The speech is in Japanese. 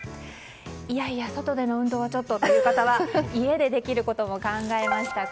いやいや外での運動はちょっとという方は家でできることも考えました。